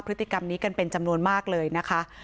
พฤติกรรมนี้กันเป็นจำนวนมากเลยนะคะ